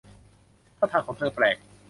ท่าทางของเธอแปลก